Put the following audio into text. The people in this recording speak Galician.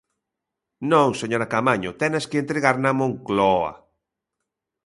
Non, señora Caamaño, tenas que entregar na Moncloa.